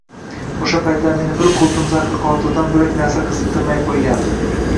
O`sha paytlar meni bir qultum zahri qotildan bo`lak narsa qiziqtirmay qo`ygandi